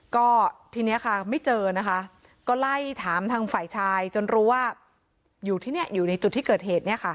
ก็ทีนี้ค่ะไม่เจอนะคะก็ไล่ถามทางฝ่ายชายจนรู้ว่าอยู่ที่นี่อยู่ในจุดที่เกิดเหตุเนี่ยค่ะ